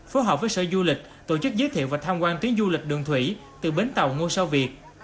phối hợp với sở du lịch tổ chức giới thiệu và tham quan tuyến du lịch đường thủy từ bến tàu ngôi sao việt